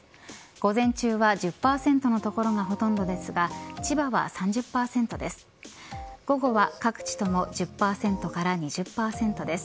午前中は１０％の所がほとんどですが千葉は３０％です。